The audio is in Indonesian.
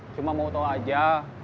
cuma mau tau aja